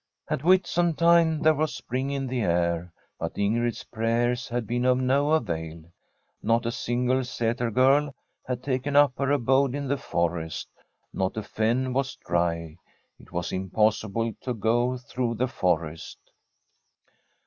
At Whitsuntide there was spring in the air, but Ingrid's prayers had been of no avail. Not a single Sater girl had taken up her abode in the forest, not a fen was dry ; it was impossible to go through the forest.